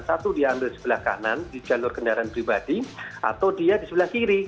satu diambil sebelah kanan di jalur kendaraan pribadi atau dia di sebelah kiri